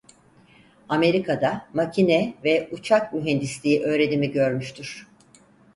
Amerika'da Makine ve Uçak Mühendisliği öğrenimi görmüştür.